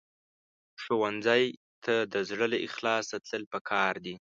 ښوونځی ته د زړه له اخلاصه تلل پکار دي